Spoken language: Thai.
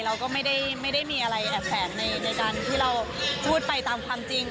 เราก็ไม่ได้มีอะไรแอบแฝงในการที่เราพูดไปตามความจริง